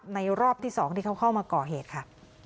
รอบที่๒ที่เขาเข้ามาก่อเหตุค่ะ